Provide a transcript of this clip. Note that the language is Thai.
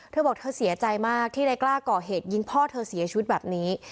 เธอบอกเธอเสียใจมากที่นายกล้าก่อเหตุยิงพ่อเธอเสียชีวิตแบบนี้